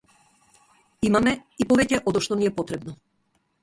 Имаме и повеќе одошто ни е потребно.